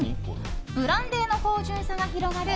ブランデーの芳醇さが広がる